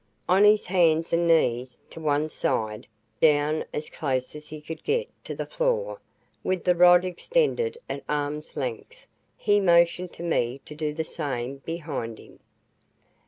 On his hands and knees, to one side, down as close as he could get to the floor, with the rod extended at arm's length, he motioned to me to do the same, behind him.